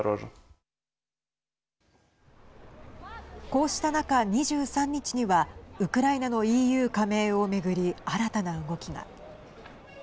こうした中、２３日にはウクライナのＥＵ加盟を巡り新たな動きが。